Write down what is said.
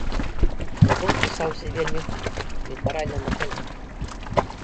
Альбом пісаўся вельмі хутка, літаральна на каленках.